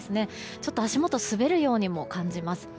ちょっと足元が滑るようにも感じます。